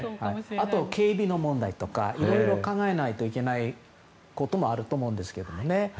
あと警備の問題とかいろいろ考えないといけないこともあると思うんですけど。